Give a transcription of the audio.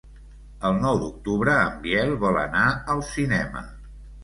El nou d'octubre en Biel vol anar al cinema.